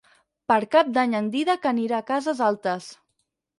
Per Cap d'Any en Dídac anirà a Cases Altes.